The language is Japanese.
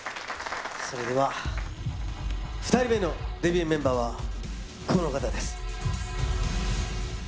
それでは２人目のデビューメンバーはこの方です。